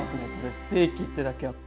ステーキってだけあって。